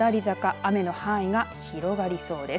雨の範囲が広がりそうです。